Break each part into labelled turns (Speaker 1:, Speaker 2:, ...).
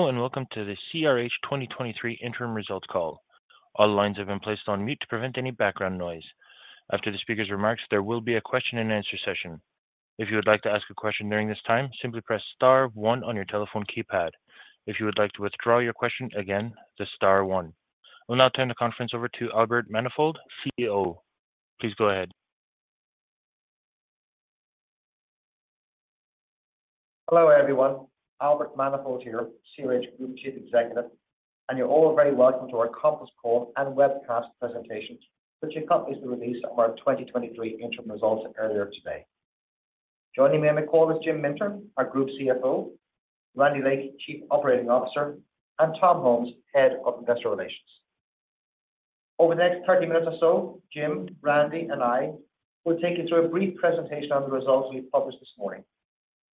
Speaker 1: Hello, and welcome to the CRH 2023 interim results call. All lines have been placed on mute to prevent any background noise. After the speaker's remarks, there will be a question and answer session. If you would like to ask a question during this time, simply press star one on your telephone keypad. If you would like to withdraw your question, again, just star one. We'll now turn the conference over to Albert Manifold, CEO. Please go ahead.
Speaker 2: Hello, everyone. Albert Manifold here, CRH Group Chief Executive, and you're all very welcome to our conference call and webcast presentations, which you got recently released on our 2023 interim results earlier today. Joining me on the call is Jim Mintern, our Group CFO, Randy Lake, Chief Operating Officer, and Tom Holmes, Head of Investor Relations. Over the next 30 minutes or so, Jim, Randy, and I will take you through a brief presentation on the results we published this morning,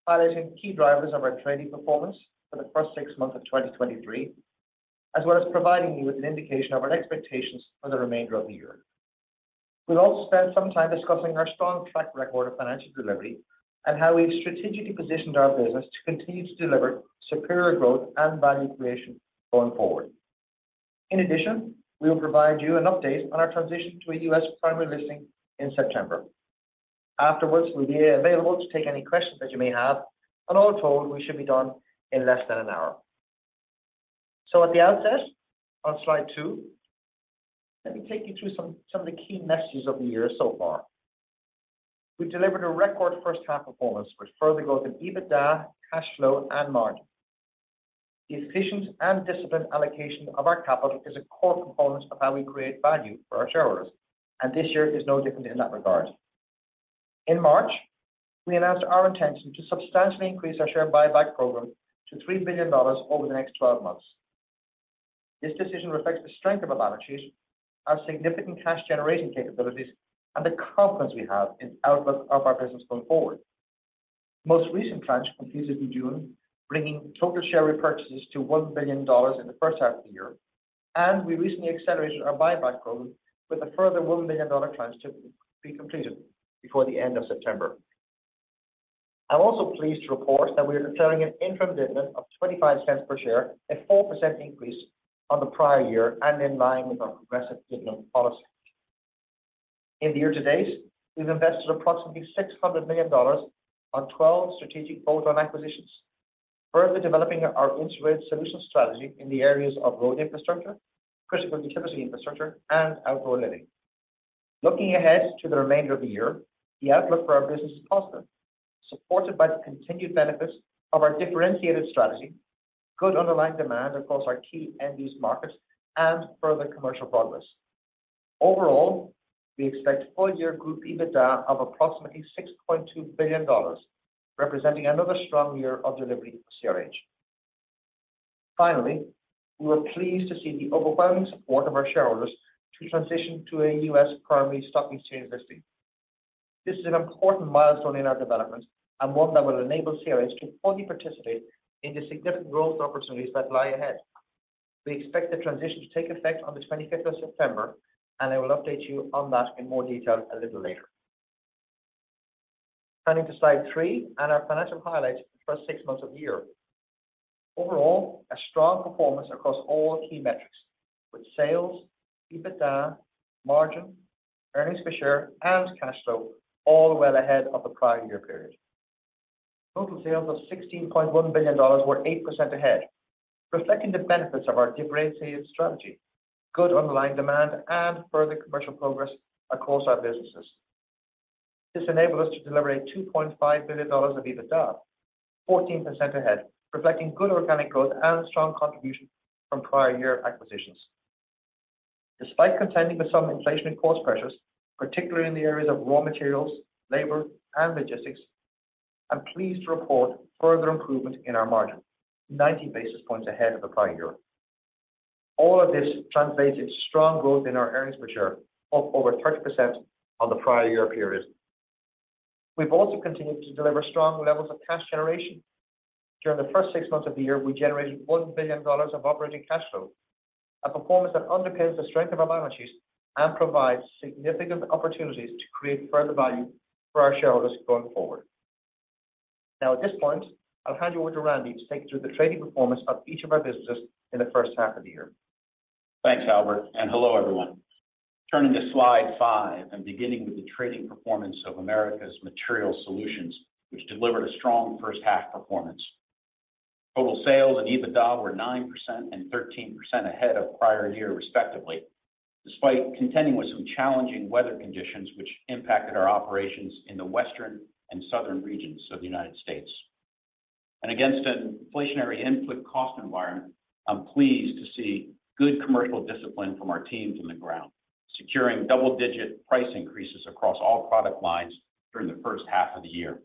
Speaker 2: highlighting key drivers of our trading performance for the first six months of 2023, as well as providing you with an indication of our expectations for the remainder of the year. We'll also spend some time discussing our strong track record of financial delivery and how we've strategically positioned our business to continue to deliver superior growth and value creation going forward. In addition, we will provide you an update on our transition to a U.S. primary listing in September. Afterwards, we'll be available to take any questions that you may have, and all told, we should be done in less than an hour. So at the outset, on slide two, let me take you through some of the key messages of the year so far. We delivered a record first half performance with further growth in EBITDA, cash flow, and margin. The efficient and disciplined allocation of our capital is a core component of how we create value for our shareholders, and this year is no different in that regard. In March, we announced our intention to substantially increase our share buyback program to $3 billion over the next twelve months. This decision reflects the strength of our balance sheet, our significant cash generation capabilities, and the confidence we have in the output of our business going forward. Most recent tranche completed in June, bringing total share repurchases to $1 billion in the first half of the year, and we recently accelerated our buyback program with a further $1 billion tranche to be completed before the end of September. I'm also pleased to report that we are declaring an interim dividend of $0.25 per share, a 4% increase on the prior year and in line with our progressive dividend policy. In the year to date, we've invested approximately $600 million on 12 strategic bolt-on acquisitions, further developing our integrated solution strategy in the areas of road infrastructure, critical utility infrastructure, and outdoor living. Looking ahead to the remainder of the year, the outlook for our business is positive, supported by the continued benefits of our differentiated strategy, good underlying demand across our key end-use markets, and further commercial progress. Overall, we expect full-year group EBITDA of approximately $6.2 billion, representing another strong year of delivery for CRH. Finally, we were pleased to see the overwhelming support of our shareholders to transition to a U.S. primary stock exchange listing. This is an important milestone in our development and one that will enable CRH to fully participate in the significant growth opportunities that lie ahead. We expect the transition to take effect on the 25th of September, and I will update you on that in more detail a little later. Turning to slide three and our financial highlights for the first six months of the year. Overall, a strong performance across all key metrics, with sales, EBITDA, margin, earnings per share, and cash flow all well ahead of the prior year period. Total sales of $16.1 billion were 8% ahead, reflecting the benefits of our differentiated strategy, good underlying demand, and further commercial progress across our businesses. This enabled us to deliver $2.5 billion of EBITDA, 14% ahead, reflecting good organic growth and strong contribution from prior year acquisitions. Despite contending with some inflation cost pressures, particularly in the areas of raw materials, labor, and logistics, I'm pleased to report further improvement in our margin, 90 basis points ahead of the prior year. All of this translated to strong growth in our earnings per share, up over 30% on the prior year period. We've also continued to deliver strong levels of cash generation. During the first six months of the year, we generated $1 billion of operating cash flow, a performance that underpins the strength of our balance sheet and provides significant opportunities to create further value for our shareholders going forward. Now, at this point, I'll hand you over to Randy to take you through the trading performance of each of our businesses in the first half of the year.
Speaker 3: Thanks, Albert, and hello, everyone. Turning to slide five and beginning with the trading performance of Americas Materials Solutions, which delivered a strong first-half performance. Total sales and EBITDA were 9% and 13% ahead of prior year, respectively, despite contending with some challenging weather conditions, which impacted our operations in the western and southern regions of the United States. Against an inflationary input cost environment, I'm pleased to see good commercial discipline from our teams on the ground, securing double-digit price increases across all product lines during the first half of the year.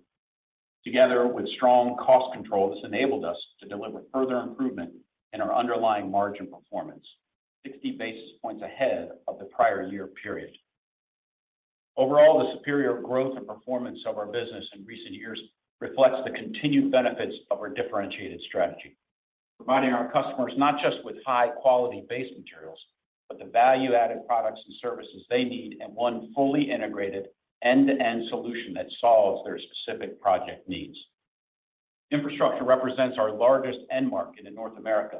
Speaker 3: Together with strong cost control, this enabled us to deliver further improvement in our underlying margin performance, 60 basis points ahead of the prior year period. Overall, the superior growth and performance of our business in recent years reflects the continued benefits of our differentiated strategy, providing our customers not just with high-quality base materials, but the value-added products and services they need, and one fully integrated end-to-end solution that solves their specific project needs. Infrastructure represents our largest end market in North America,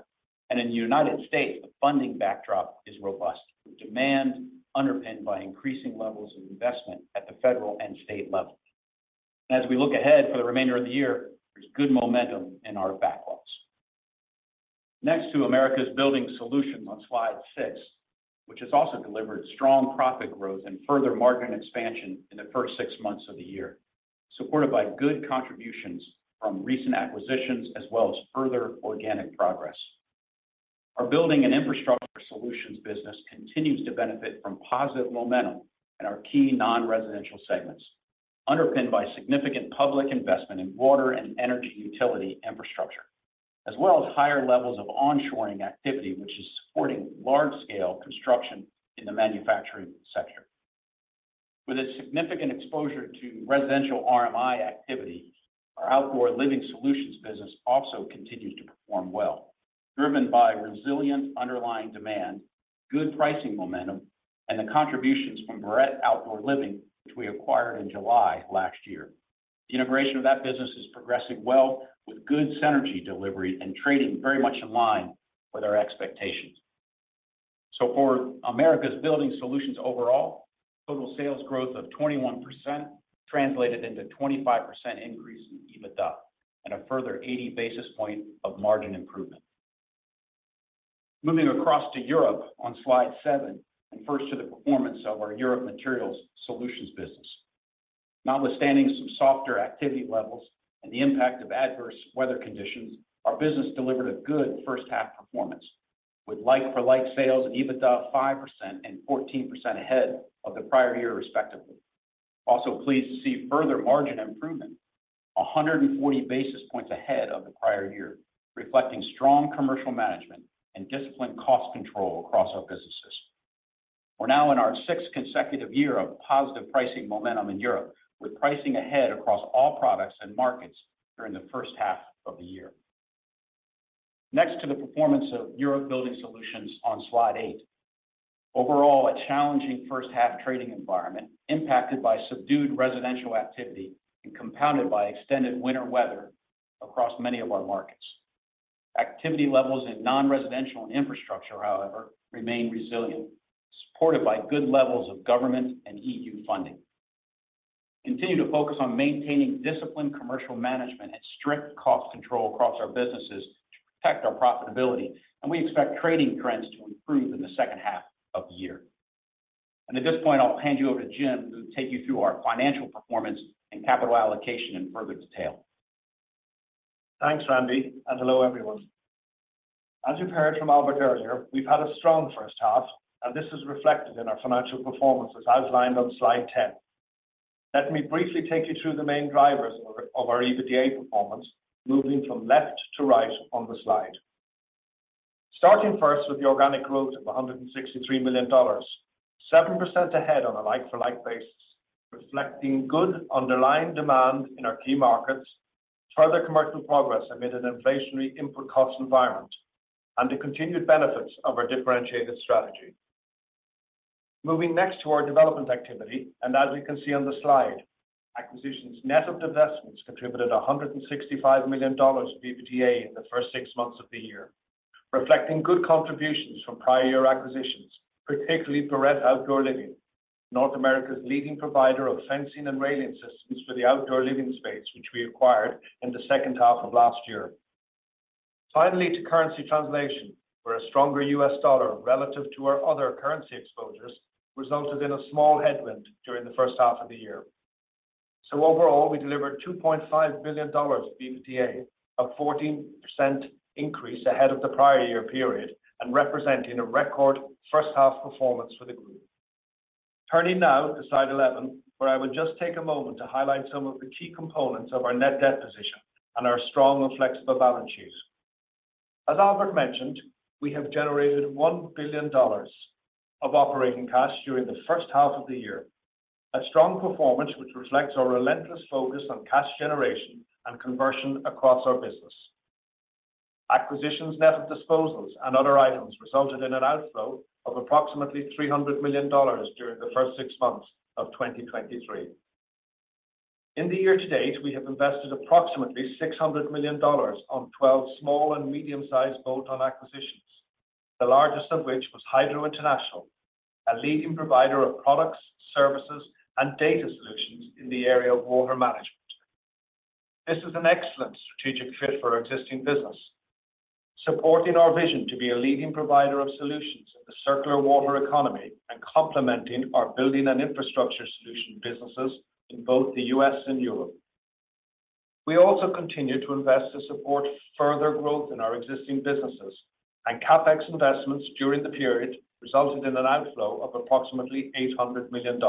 Speaker 3: and in the United States, the funding backdrop is robust, with demand underpinned by increasing levels of investment at the federal and state level. As we look ahead for the remainder of the year, there's good momentum in our backlogs. Next to Americas Building Solutions on slide six, which has also delivered strong profit growth and further margin expansion in the first six months of the year, supported by good contributions from recent acquisitions, as well as further organic progress. Our building and infrastructure solutions business continues to benefit from positive momentum in our key non-residential segments, underpinned by significant public investment in water and energy utility infrastructure, as well as higher levels of onshoring activity, which is supporting large-scale construction in the manufacturing sector. With a significant exposure to residential RMI activity, our Outdoor Living Solutions business also continues to perform well, driven by resilient underlying demand, good pricing momentum, and the contributions from Barrette Outdoor Living, which we acquired in July last year. The integration of that business is progressing well, with good synergy delivery and trading very much in line with our expectations. So for Americas Building Solutions overall, total sales growth of 21% translated into 25% increase in EBITDA, and a further 80 basis points of margin improvement. Moving across to Europe on slide seven, and first to the performance of our Europe Materials Solutions business. Notwithstanding some softer activity levels and the impact of adverse weather conditions, our business delivered a good first half performance, with like-for-like sales and EBITDA 5% and 14% ahead of the prior year, respectively. Also pleased to see further margin improvement, 140 basis points ahead of the prior year, reflecting strong commercial management and disciplined cost control across our businesses. We're now in our sixth consecutive year of positive pricing momentum in Europe, with pricing ahead across all products and markets during the first half of the year. Next to the performance of Europe Building Solutions on slide eight. Overall, a challenging first half trading environment impacted by subdued residential activity and compounded by extended winter weather across many of our markets. Activity levels in non-residential and infrastructure, however, remain resilient, supported by good levels of government and E.U. funding. Continue to focus on maintaining disciplined commercial management and strict cost control across our businesses to protect our profitability, and we expect trading trends to improve in the second half of the year. And at this point, I'll hand you over to Jim, who will take you through our financial performance and capital allocation in further detail.
Speaker 4: Thanks, Randy, and hello, everyone. As you heard from Albert earlier, we've had a strong first half, and this is reflected in our financial performances as outlined on slide 10. Let me briefly take you through the main drivers of our EBITDA performance, moving from left to right on the slide. Starting first with the organic growth of $163 million, 7% ahead on a like-for-like basis, reflecting good underlying demand in our key markets, further commercial progress amid an inflationary input cost environment, and the continued benefits of our differentiated strategy. Moving next to our development activity, and as you can see on the slide, acquisitions net of divestments contributed $165 million to EBITDA in the first six months of the year, reflecting good contributions from prior year acquisitions, particularly Barrette Outdoor Living, North America's leading provider of fencing and railing systems for the outdoor living space, which we acquired in the second half of last year. Finally, to currency translation, where a stronger U.S. dollar relative to our other currency exposures resulted in a small headwind during the first half of the year. So overall, we delivered $2.5 billion of EBITDA, a 14% increase ahead of the prior year period and representing a record first half performance for the group. Turning now to slide 11, where I will just take a moment to highlight some of the key components of our net debt position and our strong and flexible balance sheet. As Albert mentioned, we have generated $1 billion of operating cash during the first half of the year, a strong performance which reflects our relentless focus on cash generation and conversion across our business. Acquisitions net of disposals and other items resulted in an outflow of approximately $300 million during the first six months of 2023. In the year to date, we have invested approximately $600 million on 12 small and medium-sized bolt-on acquisitions, the largest of which was Hydro International, a leading provider of products, services, and data solutions in the area of water management. This is an excellent strategic fit for our existing business, supporting our vision to be a leading provider of solutions in the circular water economy and complementing our building and infrastructure solution businesses in both the U.S. and Europe. We also continue to invest to support further growth in our existing businesses, and CapEx investments during the period resulted in an outflow of approximately $800 million.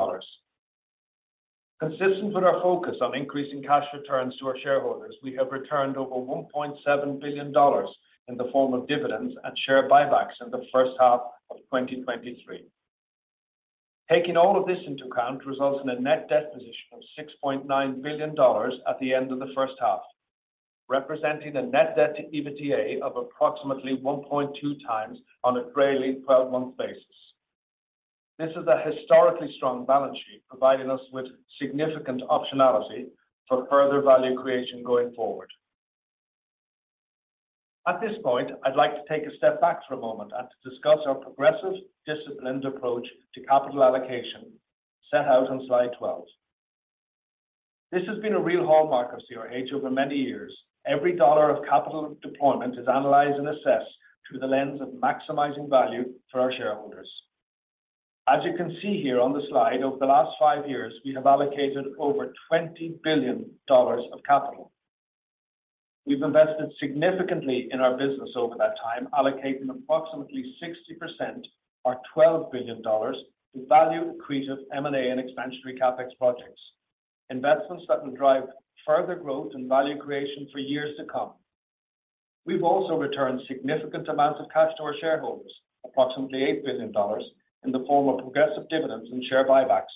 Speaker 4: Consistent with our focus on increasing cash returns to our shareholders, we have returned over $1.7 billion in the form of dividends and share buybacks in the first half of 2023. Taking all of this into account results in a net debt position of $6.9 billion at the end of the first half, representing a net debt to EBITDA of approximately 1.2x on a trailing twelve-month basis. This is a historically strong balance sheet, providing us with significant optionality for further value creation going forward. At this point, I'd like to take a step back for a moment and to discuss our progressive, disciplined approach to capital allocation, set out on slide 12. This has been a real hallmark of CRH over many years. Every dollar of capital deployment is analyzed and assessed through the lens of maximizing value for our shareholders. As you can see here on the slide, over the last five years, we have allocated over $20 billion of capital. We've invested significantly in our business over that time, allocating approximately 60% or $12 billion to value-accretive M&A and expansionary CapEx projects, investments that will drive further growth and value creation for years to come. We've also returned significant amounts of cash to our shareholders, approximately $8 billion, in the form of progressive dividends and share buybacks,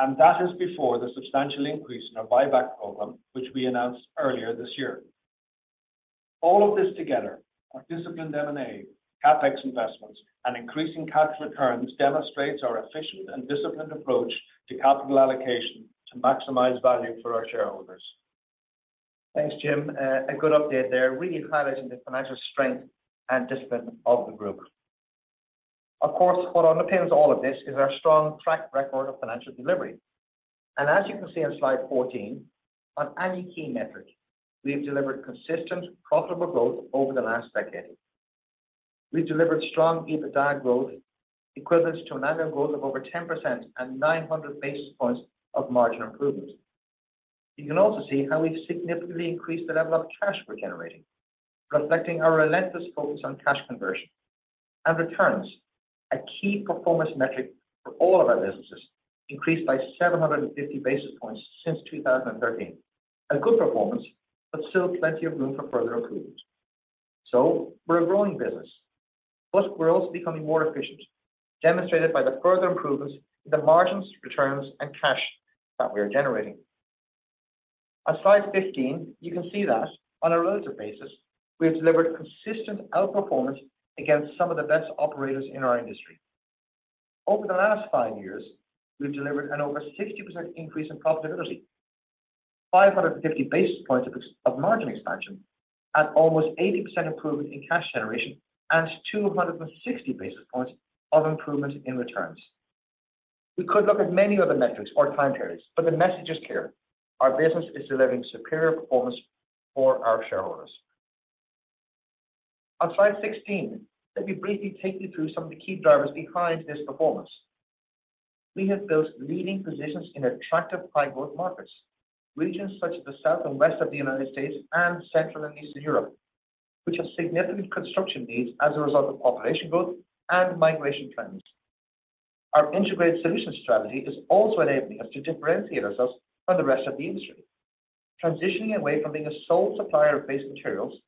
Speaker 4: and that is before the substantial increase in our buyback program, which we announced earlier this year. All of this together, our disciplined M&A, CapEx investments, and increasing cash returns, demonstrates our efficient and disciplined approach to capital allocation to maximize value for our shareholders.
Speaker 2: Thanks, Jim. A good update there, really highlighting the financial strength and discipline of the group. Of course, what underpins all of this is our strong track record of financial delivery. As you can see on slide 14, on any key metric, we have delivered consistent, profitable growth over the last decade. We've delivered strong EBITDA growth, equivalent to an annual growth of over 10% and 900 basis points of margin improvement. You can also see how we've significantly increased the level of cash we're generating, reflecting our relentless focus on cash conversion. Returns, a key performance metric for all of our businesses, increased by 750 basis points since 2013. A good performance, but still plenty of room for further improvement. We're a growing business, but we're also becoming more efficient, demonstrated by the further improvements in the margins, returns, and cash that we are generating. On slide 15, you can see that on a relative basis, we have delivered consistent outperformance against some of the best operators in our industry. Over the last five years, we've delivered an over 60% increase in profitability, 550 basis points of margin expansion, and almost 80% improvement in cash generation, and 260 basis points of improvement in returns. We could look at many other metrics or time periods, but the message is clear: Our business is delivering superior performance for our shareholders. On slide 16, let me briefly take you through some of the key drivers behind this performance. We have built leading positions in attractive high-growth markets, regions such as the South and West of the United States and Central and Eastern Europe, which have significant construction needs as a result of population growth and migration trends. Our integrated solutions strategy is also enabling us to differentiate ourselves from the rest of the industry, transitioning away from being a sole supplier of base materials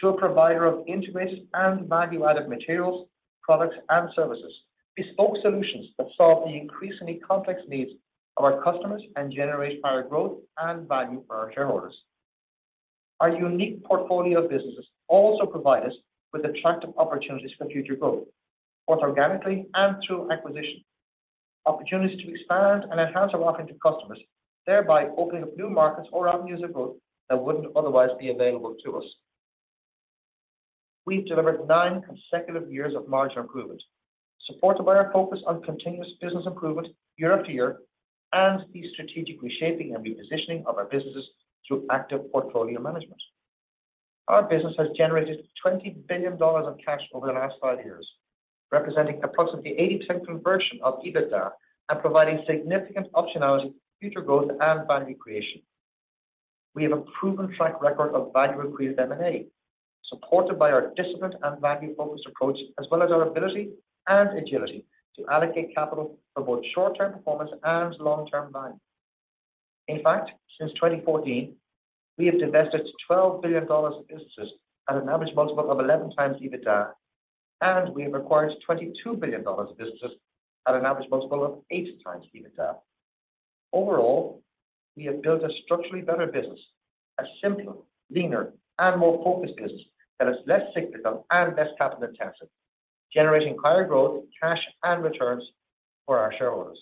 Speaker 2: to a provider of integrated and value-added materials, products, and services. Bespoke solutions that solve the increasingly complex needs of our customers and generate higher growth and value for our shareholders. Our unique portfolio of businesses also provide us with attractive opportunities for future growth, both organically and through acquisition. Opportunities to expand and enhance our offering to customers, thereby opening up new markets or avenues of growth that wouldn't otherwise be available to us. We've delivered nine consecutive years of margin improvement, supported by our focus on continuous business improvement year after year, and the strategic reshaping and repositioning of our businesses through active portfolio management. Our business has generated $20 billion of cash over the last five years, representing approximately 80% conversion of EBITDA and providing significant optionality, future growth, and value creation. We have a proven track record of value-accretive M&A, supported by our disciplined and value-focused approach, as well as our ability and agility to allocate capital for both short-term performance and long-term value. In fact, since 2014, we have divested $12 billion of businesses at an average multiple of 11x EBITDA, and we have acquired $22 billion of businesses at an average multiple of 8x EBITDA. Overall, we have built a structurally better business, a simpler, leaner, and more focused business that is less cyclical and less capital intensive, generating higher growth, cash, and returns for our shareholders.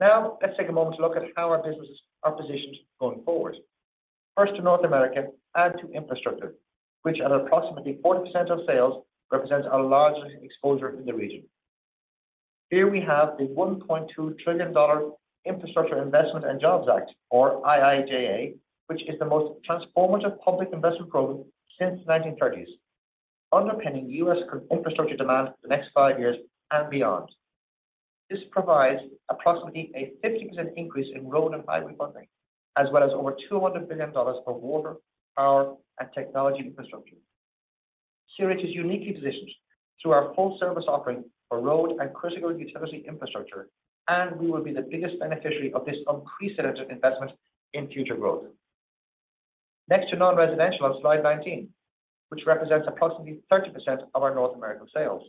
Speaker 2: Now, let's take a moment to look at how our businesses are positioned going forward. First to North America and to infrastructure, which at approximately 40% of sales, represents our largest exposure in the region. Here we have the $1.2 trillion Infrastructure Investment and Jobs Act, or IIJA, which is the most transformative public investment program since the 1930s, underpinning U.S. infrastructure demand for the next five years and beyond. This provides approximately a 50% increase in road and highway funding, as well as over $200 billion for water, power, and technology infrastructure. CRH is uniquely positioned through our full-service offering for road and critical utility infrastructure, and we will be the biggest beneficiary of this unprecedented investment in future growth. Next to non-residential on slide 19, which represents approximately 30% of our North American sales.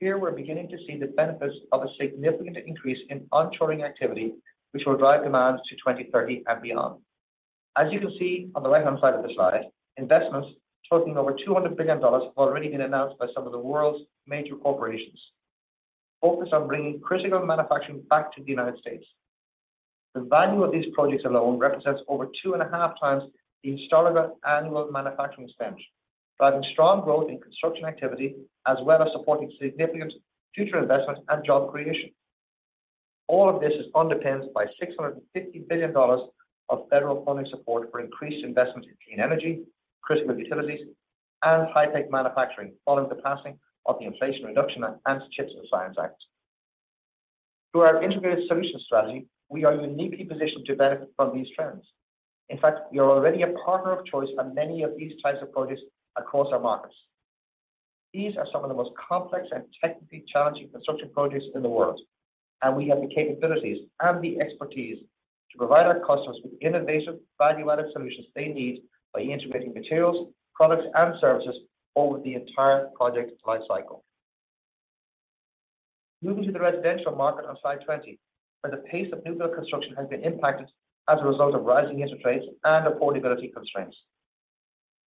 Speaker 2: Here, we're beginning to see the benefits of a significant increase in onshoring activity, which will drive demand to 2030 and beyond. As you can see on the right-hand side of the slide, investments totaling over $200 billion have already been announced by some of the world's major corporations, focused on bringing critical manufacturing back to the United States. The value of these projects alone represents over 2.5x the historical annual manufacturing spend, driving strong growth in construction activity, as well as supporting significant future investments and job creation. All of this is underpinned by $650 billion of federal funding support for increased investment in clean energy, critical utilities, and high-tech manufacturing, following the passing of the Inflation Reduction Act and CHIPS and Science Act. Through our integrated solution strategy, we are uniquely positioned to benefit from these trends. In fact, we are already a partner of choice on many of these types of projects across our markets. These are some of the most complex and technically challenging construction projects in the world, and we have the capabilities and the expertise to provide our customers with innovative, value-added solutions they need by integrating materials, products, and services over the entire project life cycle. Moving to the residential market on slide 20, where the pace of new build construction has been impacted as a result of rising interest rates and affordability constraints.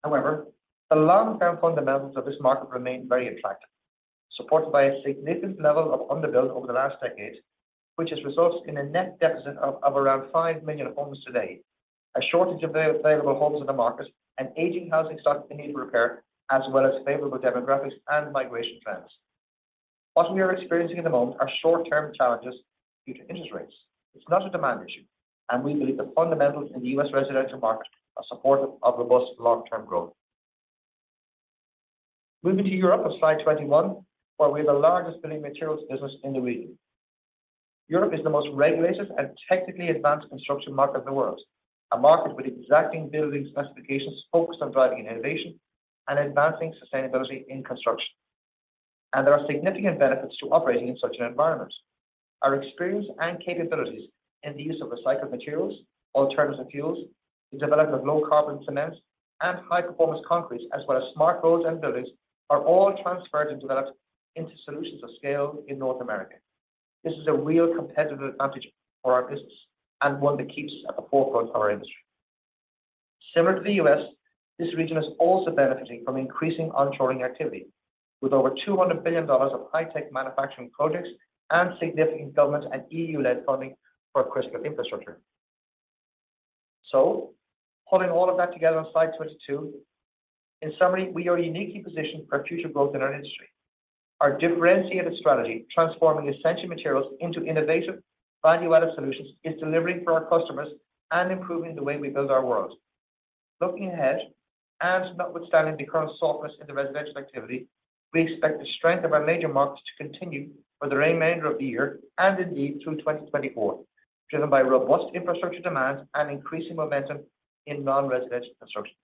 Speaker 2: However, the long-term fundamentals of this market remain very attractive, supported by a significant level of underbuild over the last decade, which has resulted in a net deficit of around 5 million homes today. A shortage of available homes on the market and aging housing stock in need of repair, as well as favorable demographics and migration trends. What we are experiencing at the moment are short-term challenges due to interest rates. It's not a demand issue, and we believe the fundamentals in the U.S. residential market are supportive of robust long-term growth. Moving to Europe on slide 21, where we have the largest building materials business in the region. Europe is the most regulated and technically advanced construction market in the world. A market with exacting building specifications focused on driving innovation and advancing sustainability in construction. There are significant benefits to operating in such an environment. Our experience and capabilities in the use of recycled materials, alternative fuels, the development of low carbon cements, and high-performance concrete, as well as smart roads and buildings, are all transferred and developed into solutions of scale in North America. This is a real competitive advantage for our business and one that keeps us at the forefront of our industry. Similar to the U.S., this region is also benefiting from increasing onshoring activity, with over $200 billion of high-tech manufacturing projects and significant government and E.U.-led funding for critical infrastructure. Pulling all of that together on slide 22. In summary, we are uniquely positioned for future growth in our industry. Our differentiated strategy, transforming essential materials into innovative, value-added solutions, is delivering for our customers and improving the way we build our world. Looking ahead, and notwithstanding the current softness in the residential activity, we expect the strength of our major markets to continue for the remainder of the year and indeed through 2024, driven by robust infrastructure demand and increasing momentum in non-residential construction.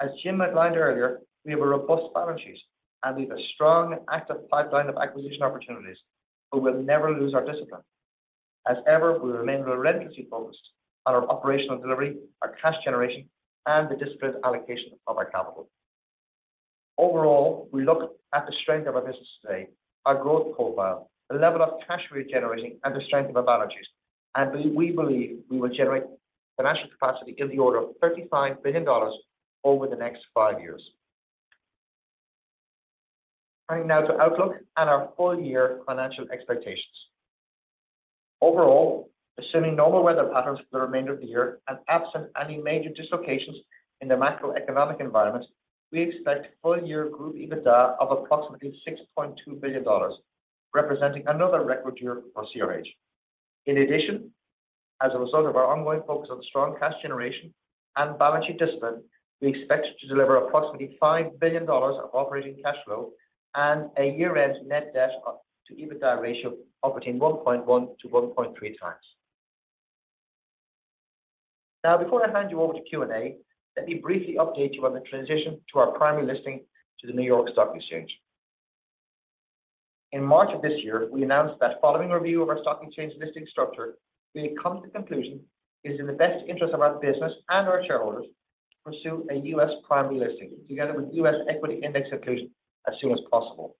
Speaker 2: As Jim outlined earlier, we have a robust balance sheet, and we have a strong active pipeline of acquisition opportunities, but we'll never lose our discipline. As ever, we remain relentlessly focused on our operational delivery, our cash generation, and the disciplined allocation of our capital. Overall, we look at the strength of our business today, our growth profile, the level of cash we're generating, and the strength of our balance sheet, and believe—we believe we will generate financial capacity in the order of $35 billion over the next five years. Turning now to outlook and our full year financial expectations. Overall, assuming normal weather patterns for the remainder of the year and absent any major dislocations in the macroeconomic environment, we expect full-year group EBITDA of approximately $6.2 billion, representing another record year for CRH. In addition, as a result of our ongoing focus on strong cash generation and balance sheet discipline, we expect to deliver approximately $5 billion of operating cash flow and a year-end net debt to EBITDA ratio of between 1.1x-1.3x. Now, before I hand you over to Q&A, let me briefly update you on the transition to our primary listing to the New York Stock Exchange. In March of this year, we announced that following a review of our stock exchange listing structure, we had come to the conclusion it is in the best interest of our business and our shareholders to pursue a U.S. primary listing, together with U.S. equity index inclusion as soon as possible.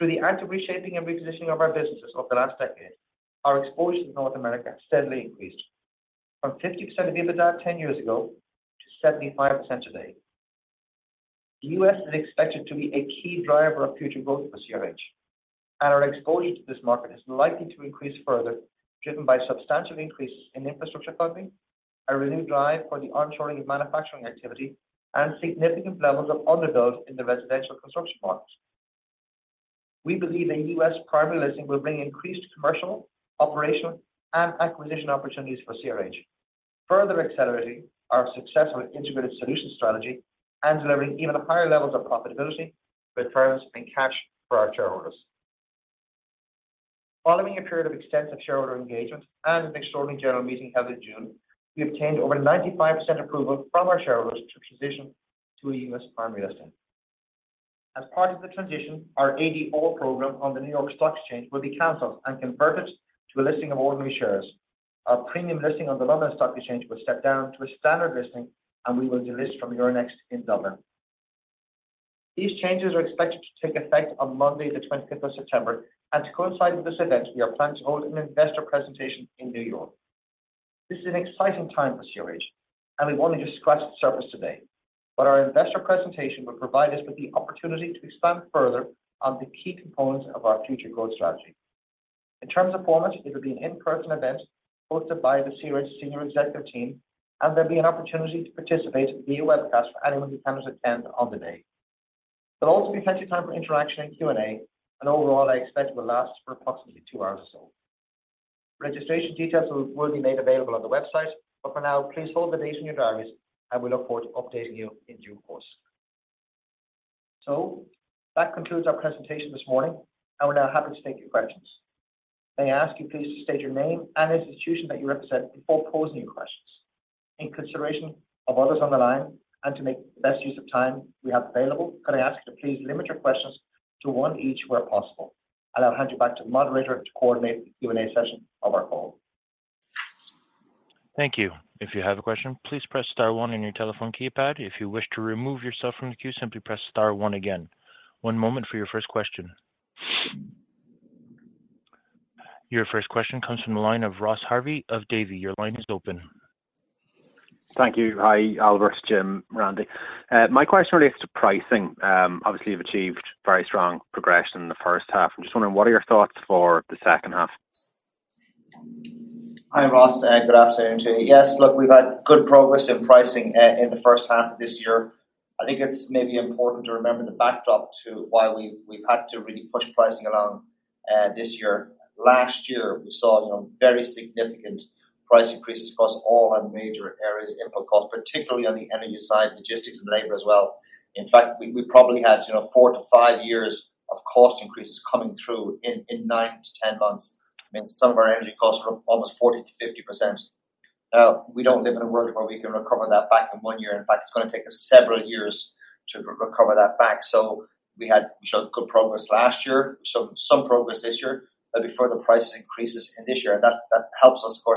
Speaker 2: Through the active reshaping and repositioning of our businesses over the last decade, our exposure to North America has steadily increased from 50% of EBITDA ten years ago to 75% today. The U.S. is expected to be a key driver of future growth for CRH, and our exposure to this market is likely to increase further, driven by substantial increases in infrastructure funding, a renewed drive for the onshoring of manufacturing activity, and significant levels of underbuild in the residential construction markets. We believe a U.S. primary listing will bring increased commercial, operational, and acquisition opportunities for CRH, further accelerating our successful integrated solution strategy and delivering even higher levels of profitability with returns and cash for our shareholders. Following a period of extensive shareholder engagement and an extraordinary general meeting held in June, we obtained over 95% approval from our shareholders to transition to a U.S. primary listing. As part of the transition, our ADR program on the New York Stock Exchange will be canceled and converted to a listing of ordinary shares. Our premium listing on the London Stock Exchange will step down to a standard listing, and we will delist from Euronext Dublin. These changes are expected to take effect on Monday, the 20th of September, and to coincide with this event, we are planning to hold an investor presentation in New York. This is an exciting time for CRH, and we've only just scratched the surface today. But our investor presentation will provide us with the opportunity to expand further on the key components of our future growth strategy. In terms of format, it will be an in-person event hosted by the CRH senior executive team, and there'll be an opportunity to participate via webcast for anyone who cannot attend on the day. There'll also be plenty of time for interaction and Q&A, and overall, I expect it will last for approximately two hours or so. Registration details will be made available on the website, but for now, please hold the date in your diaries, and we look forward to updating you in due course. So that concludes our presentation this morning, and we're now happy to take your questions. May I ask you please to state your name and institution that you represent before posing your questions? In consideration of others on the line and to make the best use of time we have available, could I ask you to please limit your questions to one each where possible, and I'll hand you back to the moderator to coordinate the Q&A session of our call.
Speaker 1: Thank you. If you have a question, please press star one on your telephone keypad. If you wish to remove yourself from the queue, simply press star one again. One moment for your first question. Your first question comes from the line of Ross Harvey of Davy. Your line is open.
Speaker 5: Thank you. Hi, Albert, Jim, Randy. My question relates to pricing. Obviously, you've achieved very strong progression in the first half. I'm just wondering, what are your thoughts for the second half?
Speaker 2: Hi, Ross, good afternoon to you. Yes, look, we've had good progress in pricing in the first half of this year. I think it's maybe important to remember the backdrop to why we've had to really push pricing along this year. Last year, we saw, you know, very significant price increases across all our major areas, input costs, particularly on the energy side, logistics and labor as well. In fact, we probably had, you know, four to five years of cost increases coming through in 9-10 months. I mean, some of our energy costs were almost 40%-50%. Now, we don't live in a world where we can recover that back in one year. In fact, it's going to take us several years to recover that back. So we had shown good progress last year, so some progress this year. There'll be further price increases in this year, and that helps us, of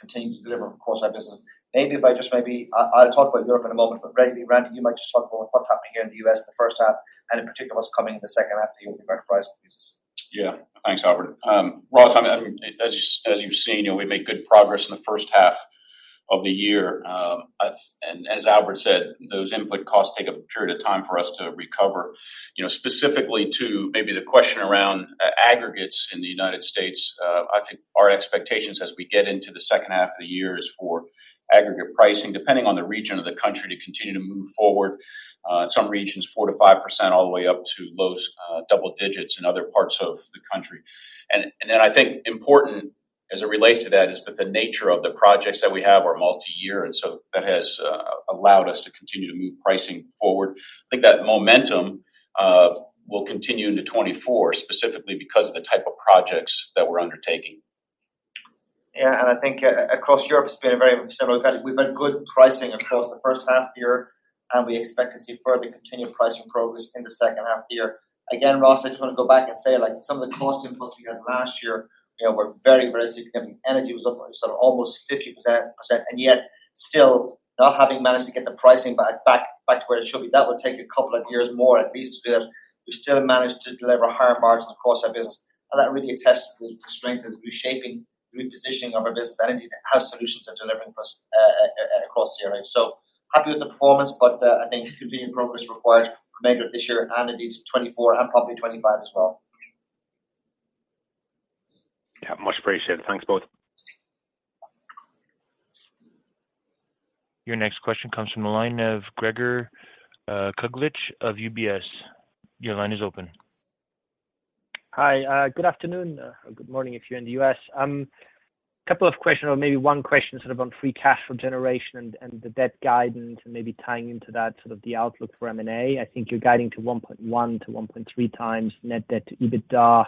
Speaker 2: course, continue to deliver across our business. Maybe if I just, I'll talk about Europe in a moment, but Randy, Randy, you might just talk about what's happening here in the U.S. the first half, and in particular, what's coming in the second half of the year with regard to price increases.
Speaker 3: Yeah. Thanks, Albert. Ross, I mean, as you, as you've seen, you know, we made good progress in the first half of the year. As, and as Albert said, those input costs take a period of time for us to recover. You know, specifically to maybe the question around, aggregates in the United States, I think our expectations as we get into the second half of the year is for aggregate pricing, depending on the region of the country, to continue to move forward. Some regions, 4%-5%, all the way up to low double digits in other parts of the country. And, and then I think important as it relates to that, is that the nature of the projects that we have are multi-year, and so that has, allowed us to continue to move pricing forward. I think that momentum will continue into 2024, specifically because of the type of projects that we're undertaking.
Speaker 2: Yeah, and I think across Europe, it's been a very similar. We've had good pricing across the first half of the year, and we expect to see further continued pricing progress in the second half of the year. Again, Ross, I just want to go back and say, like, some of the cost inputs we had last year, you know, were very, very significant. Energy was up sort of almost 50%, and yet still not having managed to get the pricing back to where it should be. That will take a couple of years more at least to do that. We've still managed to deliver higher margins across our business, and that really attests to the strength of the reshaping, the repositioning of our business and indeed, how solutions are delivering for us across the area. So happy with the performance, but I think continued progress required for remainder of this year and indeed 2024 and probably 2025 as well.
Speaker 5: Yeah. Much appreciated. Thanks, both.
Speaker 1: Your next question comes from the line of Gregor Kuglitsch of UBS. Your line is open.
Speaker 6: Hi, good afternoon, or good morning if you're in the U.S. A couple of questions, or maybe one question, sort of on free cash flow generation and, and the debt guidance, and maybe tying into that, sort of the outlook for M&A. I think you're guiding to 1.1x-1.3x net debt to EBITDA.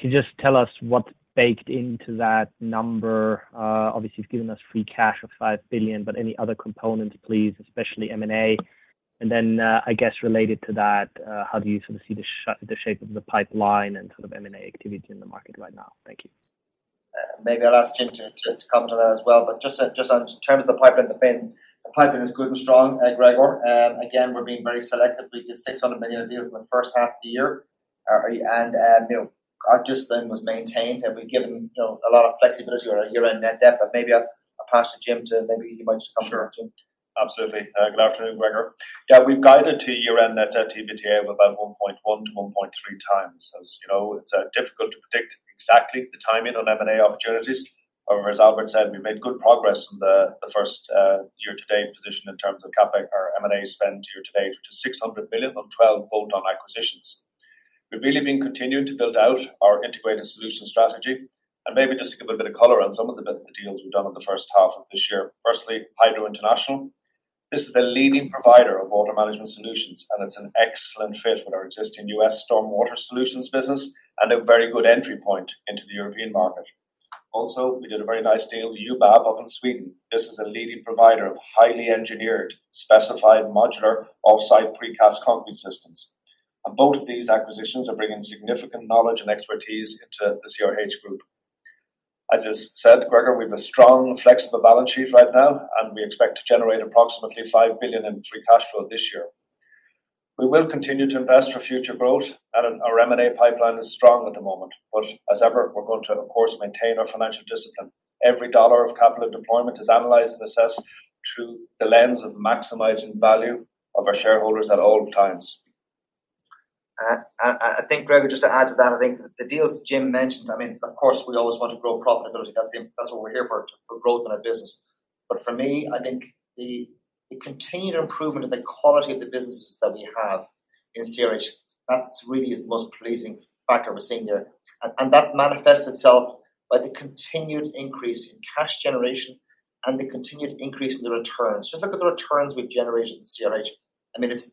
Speaker 6: Can you just tell us what's baked into that number? Obviously, you've given us free cash of $5 billion, but any other components, please, especially M&A. And then, I guess related to that, how do you sort of see the shape of the pipeline and sort of M&A activity in the market right now? Thank you.
Speaker 2: Maybe I'll ask Jim to come to that as well. But just on terms of the pipeline, the pipeline is good and strong, Gregor. Again, we're being very selective. We did $600 million deals in the first half of the year. And you know, our discipline was maintained, and we've given you know, a lot of flexibility on our year-end net debt. But maybe I'll pass to Jim to maybe he might just comment on that.
Speaker 4: Sure. Absolutely. Good afternoon, Gregor. Yeah, we've guided to year-end net debt to EBITDA of about 1.1x-1.3x. As you know, it's difficult to predict exactly the timing on M&A opportunities. However, as Albert said, we've made good progress in the first year-to-date position in terms of CapEx. Our M&A spend year to date is $600 billion on 12 bolt-on acquisitions. We've really been continuing to build out our integrated solution strategy, and maybe just to give a bit of color on some of the deals we've done in the first half of this year. Firstly, Hydro International. This is a leading provider of water management solutions, and it's an excellent fit with our existing U.S. stormwater solutions business and a very good entry point into the European market. Also, we did a very nice deal with UBAB up in Sweden. This is a leading provider of highly engineered, specified, modular, off-site precast concrete systems. Both of these acquisitions are bringing significant knowledge and expertise into the CRH group. As I said, Gregor, we've a strong, flexible balance sheet right now, and we expect to generate approximately $5 billion in free cash flow this year. We will continue to invest for future growth, and our M&A pipeline is strong at the moment, but as ever, we're going to, of course, maintain our financial discipline. Every dollar of capital deployment is analyzed and assessed through the lens of maximizing value of our shareholders at all times.
Speaker 2: I think, Gregor, just to add to that, I think the deals that Jim mentioned, I mean, of course, we always want to grow profitability. That's the, that's what we're here for, to, for growth in our business. But for me, I think the continued improvement in the quality of the businesses that we have in CRH, that's really is the most pleasing factor we're seeing there. And that manifests itself by the continued increase in cash generation and the continued increase in the returns. Just look at the returns we've generated in CRH. I mean, it's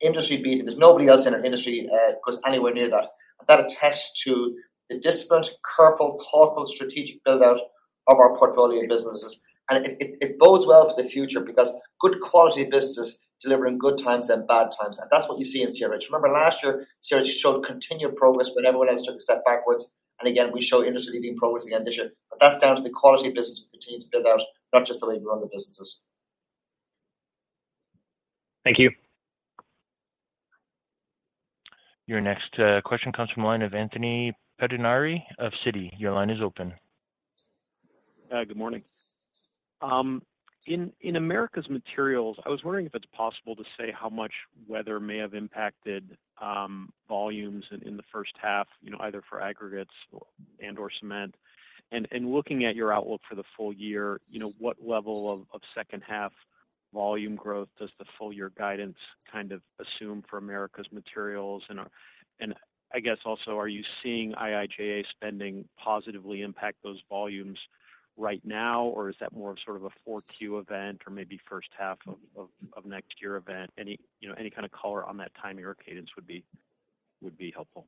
Speaker 2: industry beating. There's nobody else in our industry comes anywhere near that, and that attests to the disciplined, careful, thoughtful, strategic build-out of our portfolio of businesses. It bodes well for the future because good quality businesses deliver in good times and bad times, and that's what you see in CRH. Remember last year, CRH showed continued progress when everyone else took a step backwards, and again, we show industry-leading progress again this year. But that's down to the quality of business we continue to build out, not just the way we run the businesses.
Speaker 6: Thank you.
Speaker 1: Your next question comes from the line of Anthony Pettinari of Citi. Your line is open.
Speaker 7: Good morning. In Americas Materials, I was wondering if it's possible to say how much weather may have impacted volumes in the first half, you know, either for aggregates or and/or cement. Looking at your outlook for the full year, you know, what level of second half volume growth does the full year guidance kind of assume for Americas Materials? And I guess also, are you seeing IIJA spending positively impact those volumes right now, or is that more of sort of a 4Q event or maybe first half of next year event? Any kind of color on that timing or cadence would be helpful.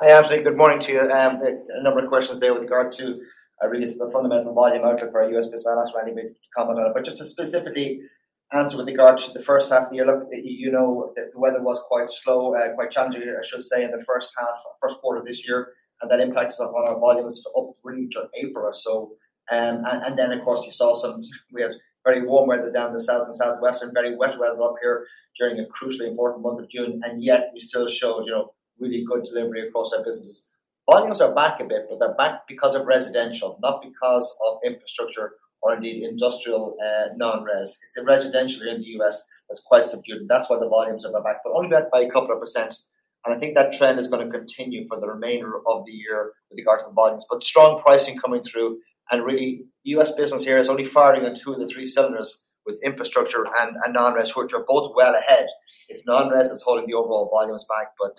Speaker 2: Hi, Anthony. Good morning to you. A number of questions there with regard to, I guess, the fundamental volume outlook for our U.S. business. Randy may comment on it. But just to specifically answer with regard to the first half of the year, look, you know, the weather was quite slow, quite challenging, I should say, in the first half, first quarter of this year, and that impacted on our volumes up really to April or so. And then, of course, you saw some, we had very warm weather down in the South and Southwestern, very wet weather up here during a crucially important month of June, and yet we still showed, you know, really good delivery across our businesses. Volumes are back a bit, but they're back because of residential, not because of infrastructure or indeed industrial, non-res. It's the residential in the U.S. that's quite subdued, and that's why the volumes are back, but only back by a couple of percent, and I think that trend is gonna continue for the remainder of the year with regard to the volumes. But strong pricing coming through, and really, U.S. business here is only firing on two of the three cylinders, with infrastructure and non-res, which are both well ahead. It's non-res that's holding the overall volumes back, but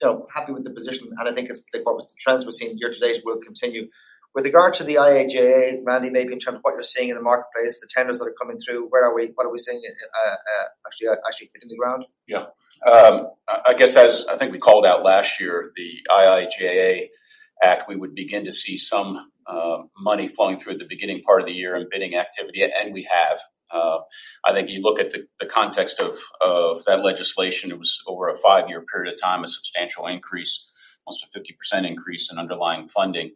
Speaker 2: you know, happy with the position, and I think it's. I think what was the trends we're seeing year to date will continue. With regard to the IIJA, Randy, maybe in terms of what you're seeing in the marketplace, the tenders that are coming through, where are we? What are we seeing, actually hitting the ground?
Speaker 3: Yeah. I guess as I think we called out last year, the IIJA Act, we would begin to see some money flowing through at the beginning part of the year and bidding activity, and we have. I think you look at the context of that legislation, it was over a five-year period of time, a substantial increase, almost a 50% increase in underlying funding.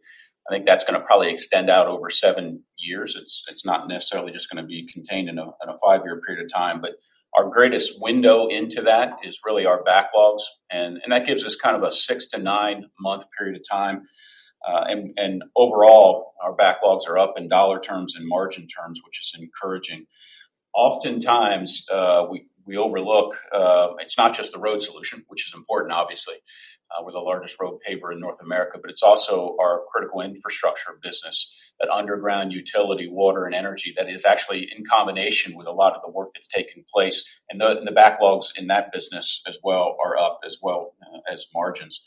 Speaker 3: I think that's gonna probably extend out over seven years. It's not necessarily just gonna be contained in a five-year period of time. But our greatest window into that is really our backlogs, and that gives us kind of a six to nine-month period of time. And overall, our backlogs are up in dollar terms and margin terms, which is encouraging. Oftentimes, we overlook It's not just the road solution, which is important, obviously, we're the largest road paver in North America, but it's also our critical infrastructure business, that underground utility, water, and energy that is actually in combination with a lot of the work that's taking place. And the backlogs in that business as well are up as well, as margins.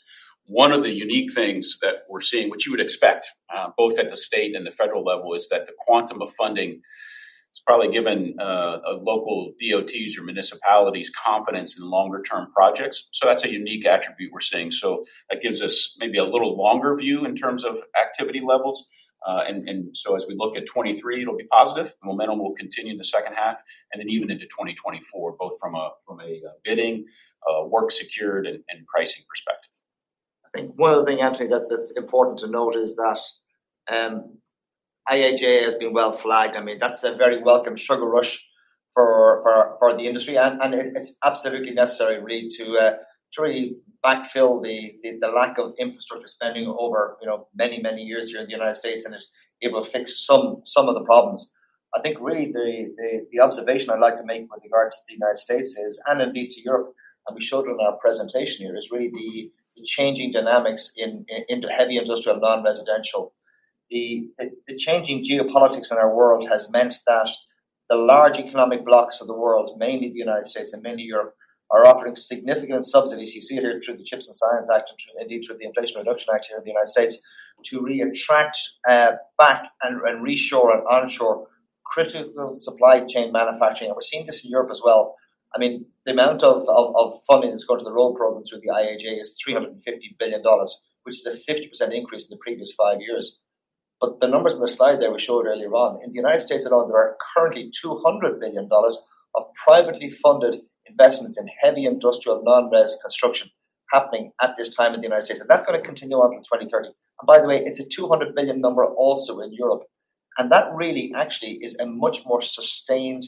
Speaker 3: One of the unique things that we're seeing, which you would expect, both at the state and the federal level, is that the quantum of funding has probably given a local DOTs or municipalities confidence in longer-term projects. So that's a unique attribute we're seeing. So that gives us maybe a little longer view in terms of activity levels. And so as we look at 2023, it'll be positive. Momentum will continue in the second half, and then even into 2024, both from a bidding work secured, and pricing perspective.
Speaker 2: I think one other thing, Anthony, that's important to note is that IIJA has been well flagged. I mean, that's a very welcome sugar rush for the industry, and it, it's absolutely necessary really to really backfill the lack of infrastructure spending over, you know, many, many years here in the United States, and it's able to fix some of the problems. I think really the observation I'd like to make with regard to the United States is, and indeed to Europe, and we showed it in our presentation here, is really the changing dynamics in the heavy industrial and non-residential. The changing geopolitics in our world has meant that the large economic blocks of the world, mainly the United States and mainly Europe, are offering significant subsidies. You see it here through the CHIPS and Science Act, indeed through the Inflation Reduction Act here in the United States, to reattract back and reshore and onshore critical supply chain manufacturing, and we're seeing this in Europe as well. I mean, the amount of funding that's going to the road program through the IIJA is $350 billion, which is a 50% increase in the previous five years. But the numbers on the slide there we showed earlier on, in the United States alone, there are currently $200 billion of privately funded investments in heavy industrial non-res construction happening at this time in the United States, and that's gonna continue on to 2030. And by the way, it's a $200 billion number also in Europe, and that really actually is a much more sustained